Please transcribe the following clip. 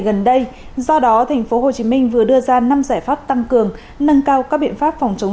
gần đây do đó tp hcm vừa đưa ra năm giải pháp tăng cường nâng cao các biện pháp phòng chống